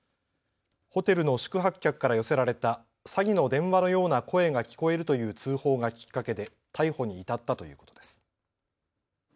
ホテルの宿泊客から寄せられた詐欺の電話のような声が聞こえるという通報がきっかけで逮捕に至ったということです。